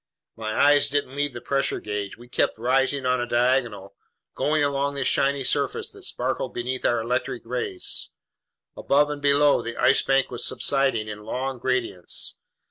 My eyes didn't leave the pressure gauge. We kept rising on a diagonal, going along this shiny surface that sparkled beneath our electric rays. Above and below, the Ice Bank was subsiding in long gradients.